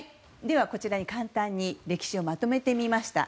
こちらに簡単に歴史をまとめてみました。